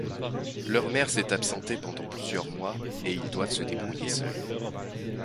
Leur mère s'est absentée pendant plusieurs mois et ils doivent se débrouiller seuls.